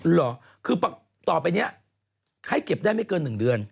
เหรอคือต่อไปนี้ให้เก็บได้ไม่เกิน๑เดือน